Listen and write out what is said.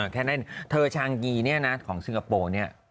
แค่ในเธอชางกีนี่นะของซึงโกโปร์เนี่ย